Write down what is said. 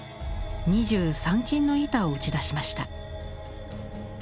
２３金の板を打ち出しました。